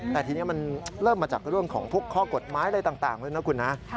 แต่ทีนี้มันเริ่มมาจากเรื่องของพวกข้อกฎหมายอะไรต่างแล้วนะคุณนะ